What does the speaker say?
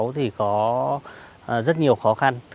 thì có rất nhiều khó khăn